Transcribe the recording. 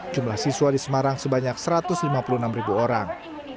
jumlah siswa di semarang sebanyak satu ratus lima puluh enam ribu orang